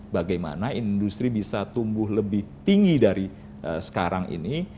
bagaimana industri bisa tumbuh lebih tinggi dari sekarang ini